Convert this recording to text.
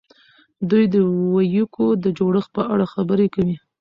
دوی د وییکو د جوړښت په اړه خبرې کوي.